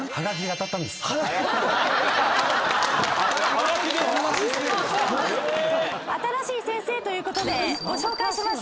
ハガキで⁉新しい先生ということでご紹介します。